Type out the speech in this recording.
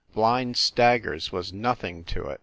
Blind staggers was nothing to it.